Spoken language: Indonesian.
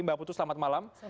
mbak putu selamat malam